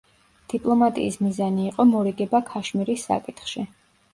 დიპლომატიის მიზანი იყო მორიგება ქაშმირის საკითხში.